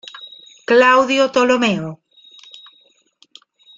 Claudio Ptolomeo